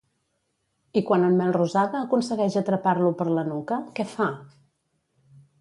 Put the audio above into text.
I quan en Melrosada aconsegueix atrapar-lo per la nuca, què fa?